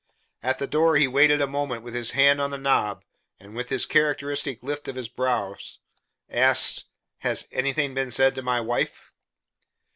At the door he waited a moment with his hand on the knob, and with the characteristic lift of his brows, asked: "Has anything been said to my wife?"